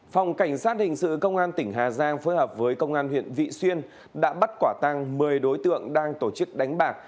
phòng cảnh sát hình sự công an tỉnh hà giang phối hợp với công an huyện vị xuyên đã bắt quả tăng một mươi đối tượng đang tổ chức đánh bạc